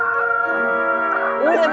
udah gak usah lagi